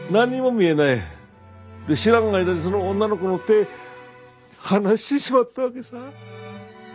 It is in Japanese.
知らん間にその女の子の手離してしまったわけさ。